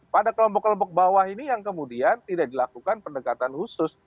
pada kelompok kelompok bawah ini yang kemudian tidak dilakukan pendekatan khusus